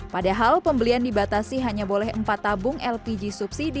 padahal pembelian dibatasi hanya boleh empat tabung lpg subsidi